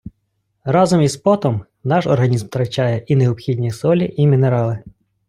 Разом із потом наш організм втрачає і необхідні солі і мінерали